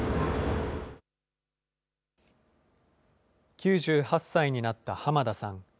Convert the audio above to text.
９８歳になった浜田さん。